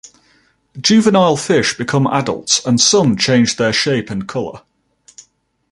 Juvenile fish become adults and some change their shape and colour.